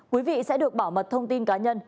quý vị sẽ được bảo mật thông tin cá nhân